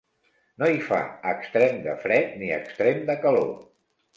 No hi fa extrem de fred ni extrem de calor.